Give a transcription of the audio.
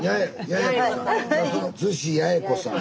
厨子八重子さん。